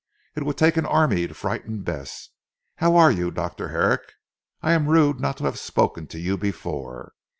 It would take an army to frighten Bess. How are you Dr. Herrick? I am rude not to have spoken to you before.